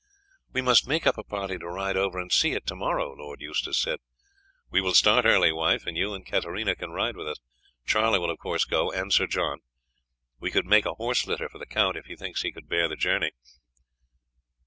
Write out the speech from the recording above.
"We must make up a party to ride over and see it to morrow," Lord Eustace said. "We will start early, wife, and you and Katarina can ride with us. Charlie will of course go, and Sir John. We could make a horse litter for the count, if he thinks he could bear the journey.